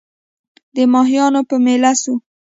د ماهیانو په مېله سوو